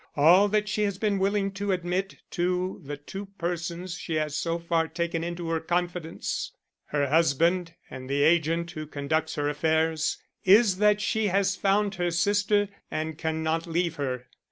All that she has been willing to admit to the two persons she has so far taken into her confidence her husband and the agent who conducts her affairs is that she has found her sister and cannot leave her.